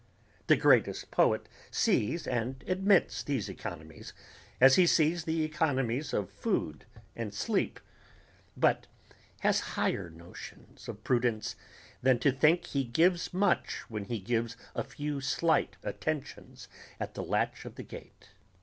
The greatest poet sees and admits these economies as he sees the economies of food and sleep, but has higher notions of prudence than to think he gives much when he gives a few slight attentions at the latch of the gate.